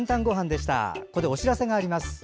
ここでお知らせがあります。